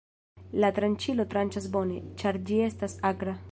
La tranĉilo tranĉas bone, ĉar ĝi estas akra.